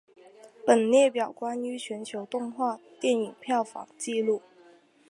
本列表关于全球动画电影票房纪录。